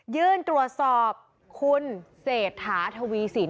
ยื่นตรวจสอบคุณเศรษฐาทวีสิน